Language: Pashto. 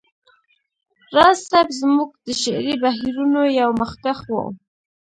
راز صيب زموږ د شعري بهیرونو یو مخکښ و